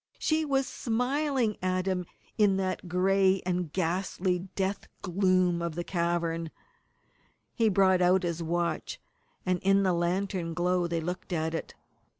she was smiling at him in that gray and ghastly death gloom of the cavern! He brought out his watch, and in the lantern glow they looked at it.